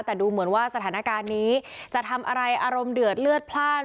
แต่ดูเหมือนว่าสถานการณ์นี้จะทำอะไรอารมณ์เดือดเลือดพลาด